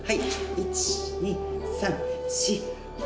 １２３４５。